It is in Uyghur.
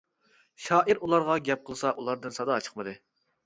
شائىر ئۇلارغا گەپ قىلسا ئۇلاردىن سادا چىقمىدى.